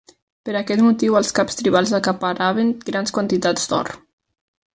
Per aquest motiu els caps tribals acaparaven grans quantitats d'or.